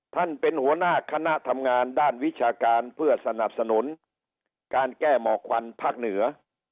ท่านเป็นหัวหน้าคณะทำงานด้านวิชาการเพื่อสนับสนุนการแก้หมอกควันภาคเหนือ